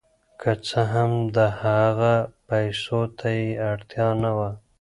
که څه هم د هغه پیسو ته یې اړتیا نه وه.